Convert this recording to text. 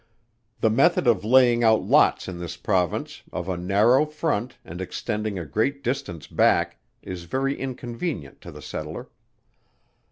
The method of laying out lots in this Province, of a narrow front and extending a great distance back, is very inconvenient to the settler.